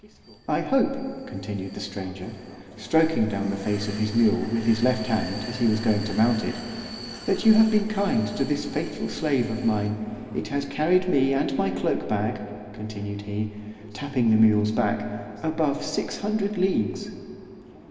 I hope, continued the stranger, stroking down the face of his mule with his left hand as he was going to mount it, that you have been kind to this faithful slave of mine—it has carried me and my cloak bag, continued he, tapping the mule's back, above six hundred leagues.